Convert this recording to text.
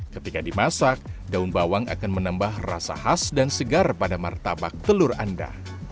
ketika dimasak daun bawang akan menambah rasa khas dan segar pada martabak telur anda